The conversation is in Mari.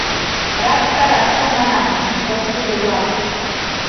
— Рад стараться, манам, пошкудо-влак.